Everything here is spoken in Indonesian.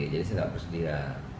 jadi saya gak bersedia